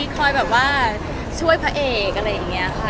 คอยแบบว่าช่วยพระเอกอะไรอย่างนี้ค่ะ